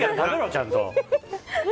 ちゃんと。